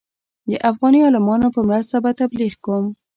د افغاني عالمانو په مرسته به تبلیغ کوم.